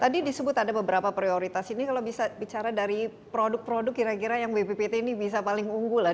tadi disebut ada beberapa prioritas ini kalau bisa bicara dari produk produk kira kira yang bppt ini bisa paling unggul lah